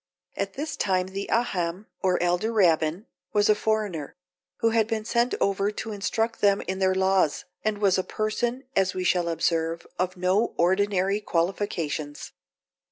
At this time the Haham, or elder Rabbin, was a foreigner, who had been sent over to instruct them in their laws, and was a person, as we shall observe, of no ordinary qualifications.